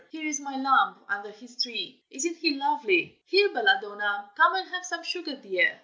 "Here is my lamb, under this tree. Isn't he lovely? here, Belladonna, come and have some sugar, dear!"